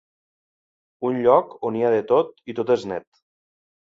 Un lloc on hi ha de tot i tot és net.